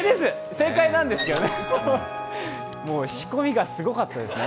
正解なんですけど、ＣＭ中の仕込みがすごかったですね。